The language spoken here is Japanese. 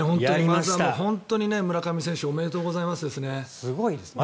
本当に村上選手おめでとうございますですね。